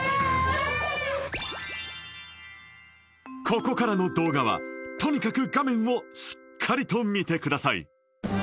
ここからの動画はとにかく画面をしっかりと見てください